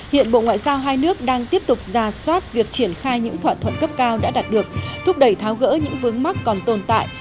hiện bộ ngoại giao hai nước đang tiếp tục ra soát việc triển khai những thỏa thuận cấp cao đã đạt được thúc đẩy tháo gỡ những vướng mắc còn tồn tại